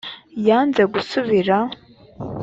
yanze gusubira